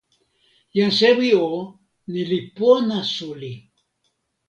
jan sewi o, ni li pona suli.